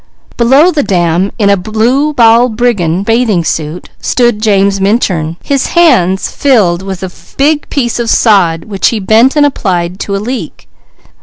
Below the dam, in a blue balbriggan bathing suit, stood James Minturn, his hands filled with a big piece of sod which he bent and applied to a leak.